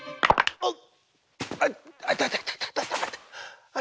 あっ！